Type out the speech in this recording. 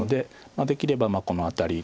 できればこの辺りとか。